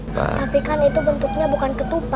tapi kan itu bentuknya bukan ketupat